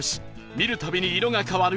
見るたびに色が変わる！？